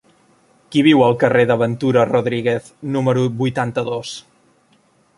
Qui viu al carrer de Ventura Rodríguez número vuitanta-dos?